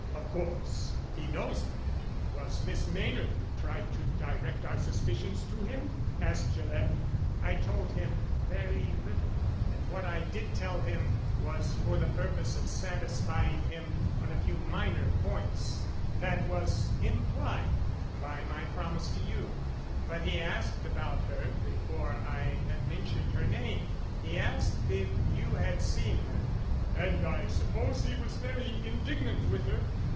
"Of course, he knows that it was Miss Maynard who tried to direct our suspicions to him?" asked Gillett. "I told him very little, and what I did tell him was for the purpose of satisfying him on a few minor points. That was implied in my promise to you. But he asked about her before I had mentioned her name. He asked if you had seen her." "And I suppose he was very indignant with her?"